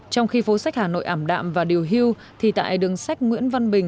trong khi phố sách hà nội ảm đạm và điều hưu thì tại đường sách nguyễn văn bình